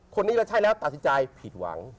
คนนี้เราใช่แล้วตัดสินใจผิดหวัง